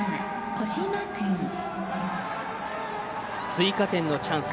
追加点のチャンス。